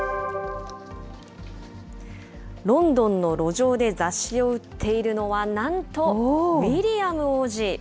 ロンドンの路上で雑誌を売っているのは、なんとウィリアム王子。